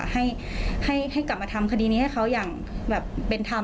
ให้กลับมาทำคดีนี้ให้เขาอย่างแบบเป็นธรรม